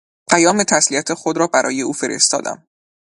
پیام تسلیت خود را برای او فرستادم